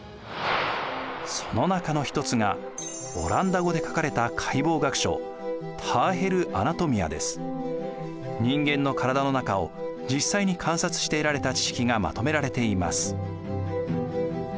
その中の一つがオランダ語で書かれた解剖学書人間の体の中を実際に観察して得られた知識がまとめられています。